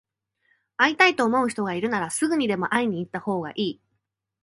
会いたいと思う人がいるなら、すぐにでも会いに行ったほうがいい。